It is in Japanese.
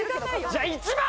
じゃあ１番！